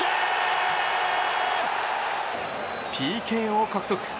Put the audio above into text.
ＰＫを獲得。